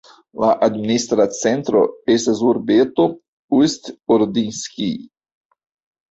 La administra centro estas urbeto Ust-Ordinskij.